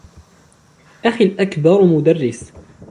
أخي الأكبر مدرس.